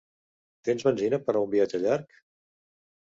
Tens benzina per a un viatge llarg?